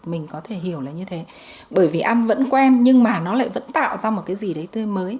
mình có thể hiểu là như thế bởi vì ăn vẫn quen nhưng mà nó lại vẫn tạo ra một cái gì đấy tươi mới